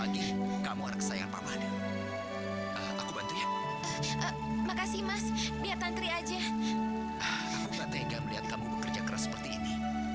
aku bisa tega melihat kamu bekerja keras seperti ini